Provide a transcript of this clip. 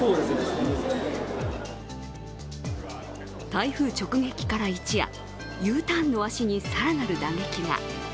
台風直撃から一夜、Ｕターンの足に更なる打撃が。